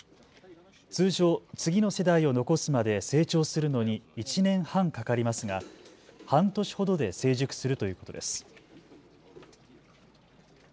通常、次の世代を残すまで成長するのに１年半かかりますが半年ほどで成熟するということです。